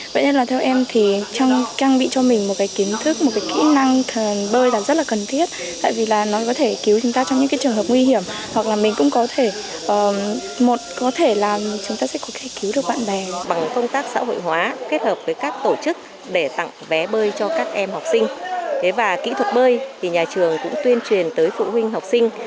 và kỹ thuật bơi thì nhà trường cũng tuyên truyền tới phụ huynh học sinh